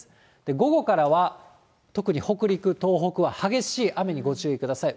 午後からは特に北陸、東北は激しい雨にご注意ください。